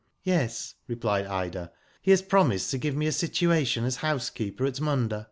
Yes," replied Ida. " He has promised to give me a situation as housekeeper at Munda."